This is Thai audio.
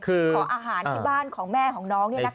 ขออาหารที่บ้านของแม่ของน้องเนี่ยนะคะ